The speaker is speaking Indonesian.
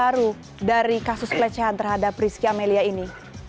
apa perkembangan terbaru dari kasus pelecehan terhadap risky amelia ini